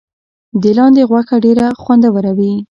د لاندي غوښه ډیره خوندوره وي.